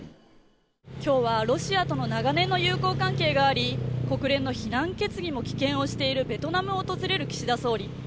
今日はロシアとの長年の友好関係があり国連の非難決議も棄権をしているベトナムを訪れる岸田総理。